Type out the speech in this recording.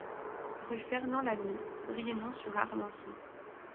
Rue Fernand Lamide, Brienon-sur-Armançon